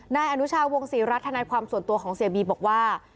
นายอนุชาวงศรีรัฐธนายความส่วนตัวของเสียบีบอกว่า